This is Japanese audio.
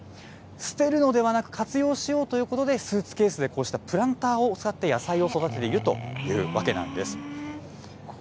捨てるのではなく、活用しようということで、スーツケースでこうしたプランターを使って野菜を育てているというわけなんです。